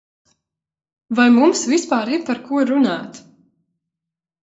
Vai mums vispār ir par ko runāt?